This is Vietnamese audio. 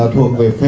thuộc về phế